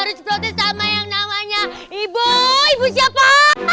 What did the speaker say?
harus protes sama yang namanya ibu ibu siapa